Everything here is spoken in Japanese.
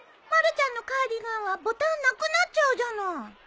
まるちゃんのカーディガンはボタンなくなっちゃうじゃない。